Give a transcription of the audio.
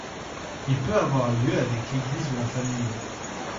Il peut avoir lieu avec l'église ou en famille.